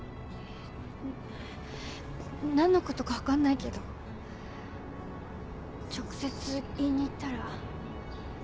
何のことか分かんないけど直接言いに行ったら？